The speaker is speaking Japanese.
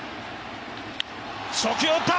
初球を打った。